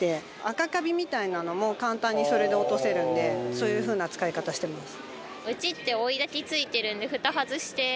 そういう風な使い方してます。